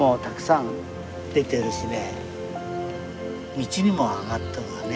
道にも上がっとるよね